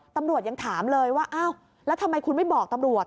ตำรวจยังถามเลยว่าอ้าวแล้วทำไมคุณไม่บอกตำรวจ